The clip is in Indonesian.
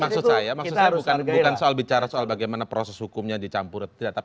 maksud saya maksud saya bukan soal bicara soal bagaimana proses hukumnya dicampur atau tidak